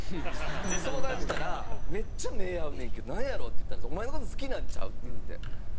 相談したら「めっちゃ目合うねんけどなんやろ？」って言ったら「お前の事好きなんちゃう？」って言ってて。